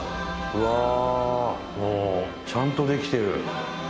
うわ。ちゃんとできてる。